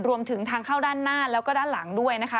รวมถึงทางเข้าด้านหน้าแล้วก็ด้านหลังด้วยนะคะ